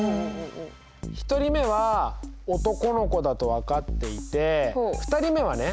１人目は男の子だと分かっていて２人目はね